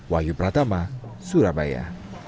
wahyu pratama surabaya